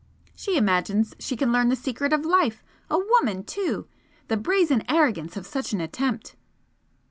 "She imagines she can learn the secret of life! A woman, too! The brazen arrogance of such an attempt!"